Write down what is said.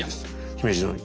姫路城に。